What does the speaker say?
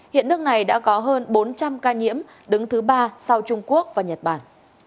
hiện nước này đã có hơn bốn trăm linh ca nhiễm đứng thứ ba sau trung quốc và nhật bản